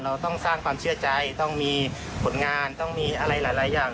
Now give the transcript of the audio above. เราต้องสร้างความเชื่อใจต้องมีผลงานต้องมีอะไรหลายอย่าง